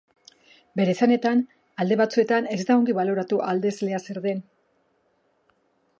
Bere esanetan, alde batzuetan ez da ongi baloratu aldezlea zer den.